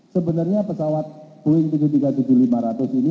sebenarnya pesawat boeing tujuh ratus tiga puluh tujuh lima ratus ini